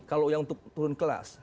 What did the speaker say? kalau yang turun kelas